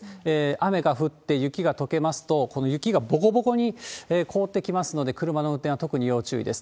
雨が降って雪がとけますと、この雪がぼこぼこに凍ってきますので、車の運転は特に要注意です。